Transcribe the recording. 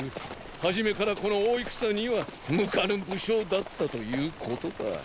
始めからこの大戦には向かぬ武将だったということだ。